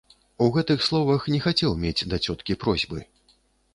У гэтых словах не хацеў мець да цёткі просьбы.